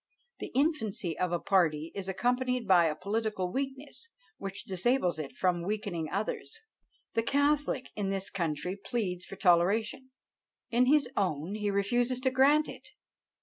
The infancy of a party is accompanied by a political weakness which disables it from weakening others. The catholic in this country pleads for toleration; in his own he refuses to grant it.